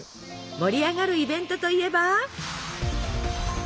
盛り上がるイベントといえば。